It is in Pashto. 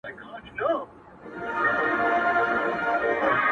لاره د خیبر، د پښتنو د تلو راتللو ده!